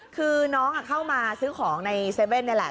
คือน้องเข้ามาซื้อของใน๗๑๑นี่แหละ